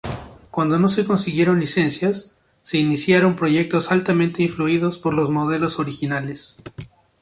Cuando no se consiguieron licencias, se iniciaron proyectos altamente influidos por los modelos originales.